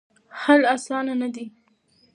حل اسانه نه دی.